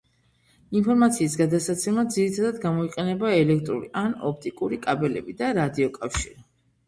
ინფორმაციის გადასაცემად ძირითადად გამოიყენება ელექტრული ან ოპტიკური კაბელები და რადიოკავშირი.